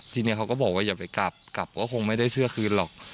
ทีนี้เขาก็บอกว่าอย่าไปกลับกลับก็คงไม่ได้เชื่อคืนหรอก